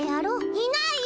いないよ！